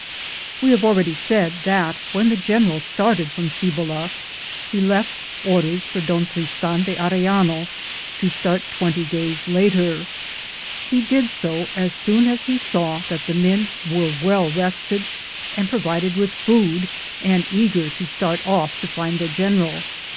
We nave already said that when the gen eral started from Cibola, he left orders for Don Tristan de Arellano to start twenty days later. He did so as soon as he saw that the sit, Google THE JOUBNET OP COHONADO men were well tested and provided with food and eager to start off to find their general.